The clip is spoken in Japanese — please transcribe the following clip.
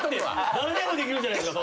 誰でもできるじゃないですか。